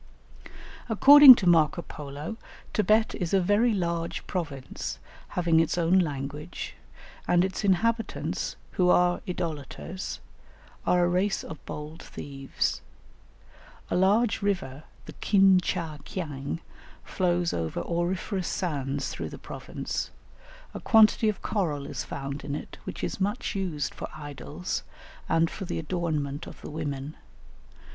According to Marco Polo, Thibet is a very large province, having its own language; and its inhabitants, who are idolaters, are a race of bold thieves. A large river, the Khin cha kiang, flows over auriferous sands through the province; a quantity of coral is found in it which is much used for idols, and for the adornment of the women.